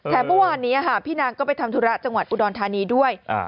เมื่อวานนี้พี่นางก็ไปทำธุระจังหวัดอุดรธานีด้วย